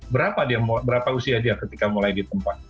berapa dia berapa usia dia ketika mulai di tempat